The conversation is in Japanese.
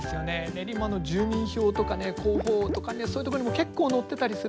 練馬の住民票とかね広報とかねそういうところにも結構載ってたりすることあるんですよね。